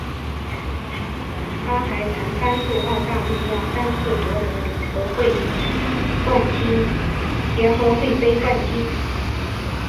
她还曾帮助澳大利亚三次夺得联合会杯冠军。